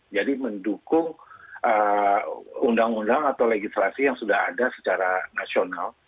jadi mendukung undang undang atau legislasi yang sudah ada secara nasional